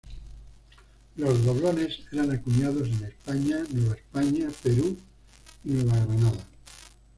Los doblones eran acuñados en España, Nueva España, Perú y Nueva Granada.